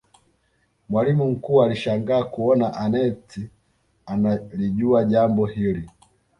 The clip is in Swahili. mwalimu mkuu alishangaa kuona aneth analijua jambo hili